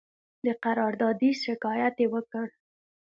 د قراردادي شکایت یې وکړ.